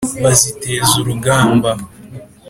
Baziteza urugamba